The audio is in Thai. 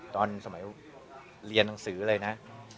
ตอนสมัยเรียนหนังสือเลยนะ